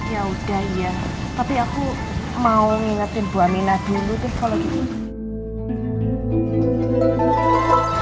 ya udah ya tapi aku mau nginetin bu aminah dulu tuh kalau gitu